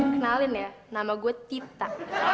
kenalin ya nama gue tita